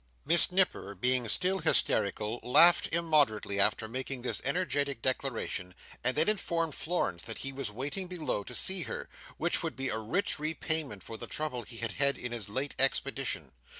Miss Nipper being still hysterical, laughed immoderately after making this energetic declaration, and then informed Florence that he was waiting below to see her; which would be a rich repayment for the trouble he had had in his late expedition.